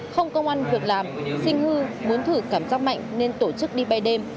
không công an việc làm sinh hư muốn thử cảm giác mạnh nên tổ chức đi bay đêm